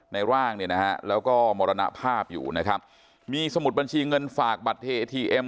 ในร่างแล้วก็มรณภาพอยู่นะครับมีสมุดบัญชีเงินฝากบัตรทีเอ็ม